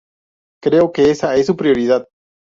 Creo que esa es su prioridad.